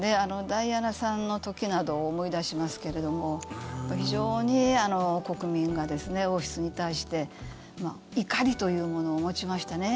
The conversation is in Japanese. ダイアナさんの時などを思い出しますけれども非常に国民が王室に対して怒りというものを持ちましたね。